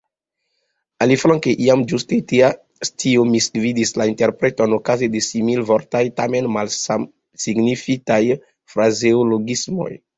Aliflanke, iam ĝuste tia scio misgvidis la interpreton okaze de similvortaj, tamen malsamsignifaj, frazeologismoj.